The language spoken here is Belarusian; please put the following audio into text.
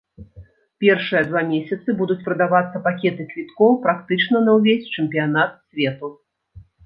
Першыя два месяцы будуць прадавацца пакеты квіткоў практычна на ўвесь чэмпіянат свету.